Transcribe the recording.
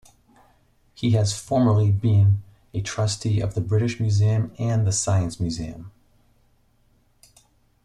He has formerly been a Trustee of the British Museum and the Science Museum.